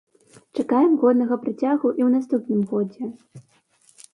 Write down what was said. Чакаем годнага працягу і ў наступным годзе.